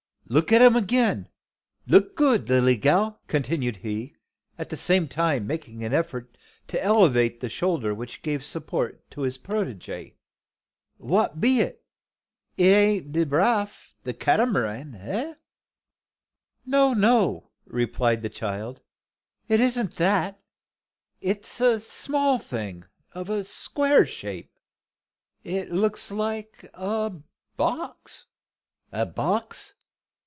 "Look at 'im 'gain, look, good lilly gal!" continued he, at the same time making an effort to elevate the shoulder which gave support to his protege. "Wha be it? I ain't de raff, de Catamaran? Eh?" "No, no," replied the child. "It isn't that. It's a small thing of a square shape. It looks like a box." "A box?